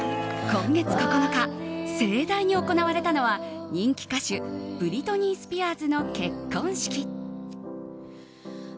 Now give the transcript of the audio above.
今月９日、盛大に行われたのは人気歌手ブリトニー・スピアーズの結婚式。